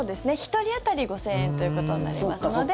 １人当たり５０００円ということになりますので。